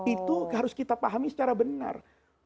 itu harus kita pahami secara benar